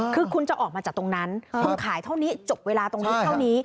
คือคุณจะออกมาจากตรงนั้นคุณขายเท่านี้จบเวลาตรงนี้เท่านี้